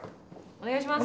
お願いします。